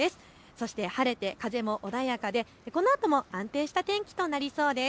そして晴れて風も穏やかでこのあとも安定した天気となりそうです。